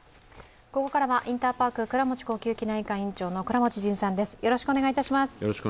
ここからはインターパーク倉持呼吸器内科院長の倉持仁さんです。